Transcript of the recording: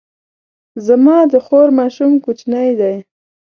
زما د خور ماشوم کوچنی دی